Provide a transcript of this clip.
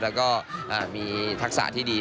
แล้วก็มีทักษะที่ดี